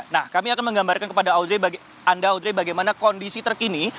nah kami akan menggambarkan kepada anda audre bagaimana kondisi terkini